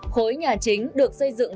khối nhà chính được xây dựng